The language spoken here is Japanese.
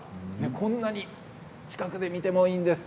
こんなに近くで見てもいいんです。